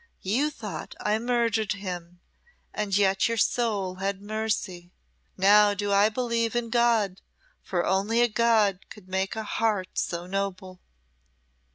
You thought I murdered him, and yet your soul had mercy. Now do I believe in God, for only a God could make a heart so noble."